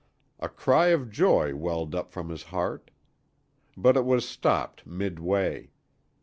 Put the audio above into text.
A cry of joy welled up from his heart. But it was stopped midway.